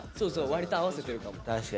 わりと合わせてるかも。